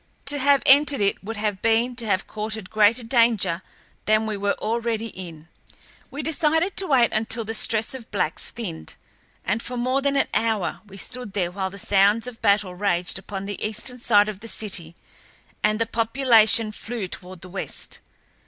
To have entered it would have been to have courted greater danger than we were already in. We decided to wait until the stress of blacks thinned, and for more than an hour we stood there while the sounds of battle raged upon the eastern side of the city and the population flew toward the west.